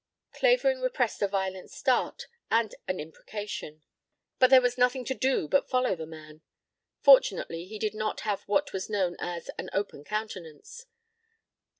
Clavering repressed a violent start and an imprecation. But there was nothing to do but follow the man; fortunately he did not have what was known as an "open countenance."